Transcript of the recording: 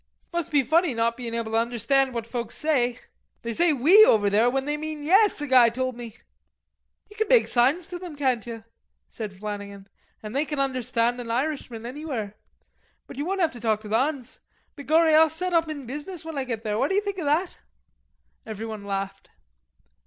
"Must be funny not bein' able to understand what folks say. They say 'we' over there when they mean 'yes,' a guy told me." "Ye can make signs to them, can't ye?" said Flannagan "an' they can understand an Irishman anywhere. But ye won't 'ave to talk to the 'uns. Begorry I'll set up in business when I get there, what d'ye think of that?" Everybody laughed.